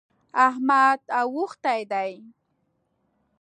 احمد اوښتی دی.